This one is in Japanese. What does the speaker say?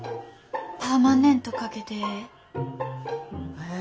パーマネントかけてええ？